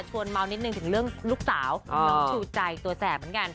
เมานิดนึงถึงเรื่องลูกสาวน้องชูใจตัวแสบเหมือนกัน